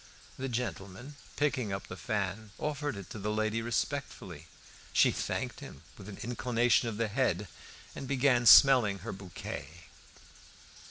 The gentleman, picking up the fan, offered it to the lady respectfully; she thanked him with an inclination of the head, and began smelling her bouquet.